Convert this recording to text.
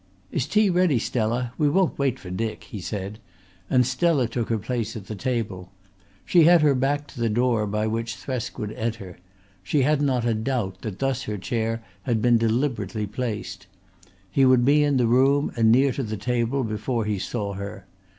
"Is tea ready, Stella? We won't wait for Dick," he said, and Stella took her place at the table. She had her back to the door by which Thresk would enter. She had not a doubt that thus her chair had been deliberately placed. He would be in the room and near to the table before he saw her.